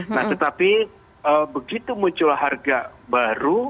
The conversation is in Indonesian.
nah tetapi begitu muncul harga baru